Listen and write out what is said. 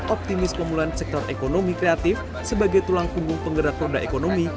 optimis pemulihan sektor ekonomi kreatif sebagai tulang punggung penggerak roda ekonomi